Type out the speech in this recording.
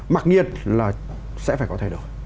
mặc nhiên là sẽ phải có thay đổi